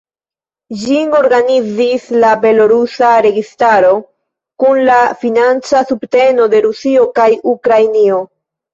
Ĝin organizis la belorusa registaro kun la financa subteno de Rusio kaj Ukrainio.